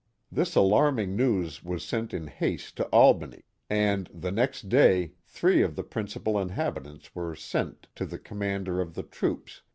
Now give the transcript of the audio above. This alarming news was sent in haste to Albany, and '* the next day three of the principal inhabitants were sent to the commander of the troops.